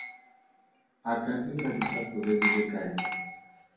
A ka dira ditafole di le kae?